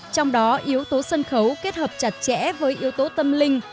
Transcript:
trong đó yếu tố sân khấu kết hợp chặt chẽ với yếu tố tâm linh